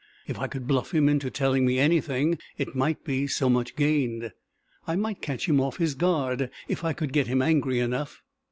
If I could bluff him into telling me anything, it might be so much gained. I might catch him off his guard, if I could get him angry enough."